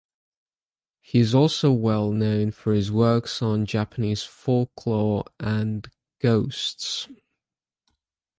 He is also well known for his works on Japanese folklore and ghosts.